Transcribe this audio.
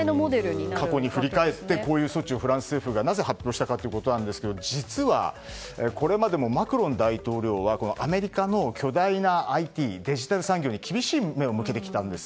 なぜ、過去に振り返ってこういう措置をフランス政府がなぜ発表したかということなんですけれども実はこれまでもマクロン大統領はアメリカの巨大なＩＴやデジタル産業に厳しい目を向けてきたんです。